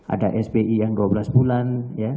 ada spi yang dua belas bulan